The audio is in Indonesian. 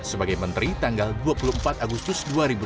sebagai menteri tanggal dua puluh empat agustus dua ribu dua puluh